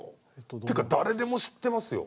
てか誰でも知ってますよ！